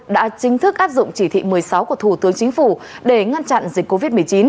đã chính thức áp dụng chỉ thị một mươi sáu của thủ tướng chính phủ để ngăn chặn dịch covid một mươi chín